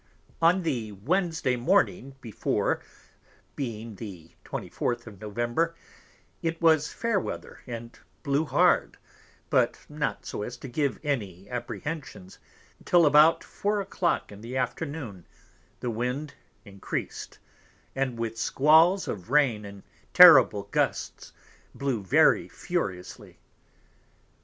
On the Wednesday Morning before, being the 24_th_ of November, it was fair Weather, and blew hard; but not so as to give any Apprehensions, till about 4 a Clock in the Afternoon the Wind encreased, and with Squauls of Rain and terrible Gusts blew very furiously.